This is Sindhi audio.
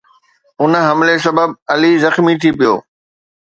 ان حملي سبب علي زخمي ٿي پيو